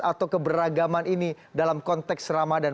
atau keberagaman ini dalam konteks ramadhan